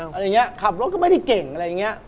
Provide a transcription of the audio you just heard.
อะไรอย่างนี้ขับรถก็ไม่ได้เก่งอะไรอย่างนี้